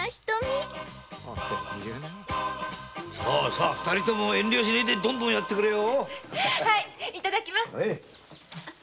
さぁ二人とも遠慮しねぇでどんどんやってくれよ。